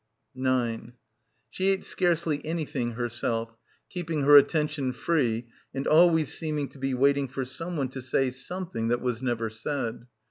9 She ate scarcely anything herself, keeping her attention free and always seeming to be waiting for someone to say something that was never said.